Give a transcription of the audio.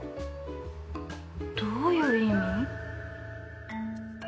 どういう意味？